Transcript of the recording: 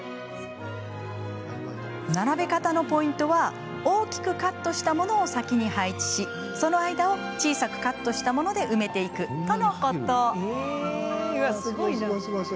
並べ方のポイントは大きくカットしたものを先に配置し、その間を小さくカットしたもので埋めていくとのこと。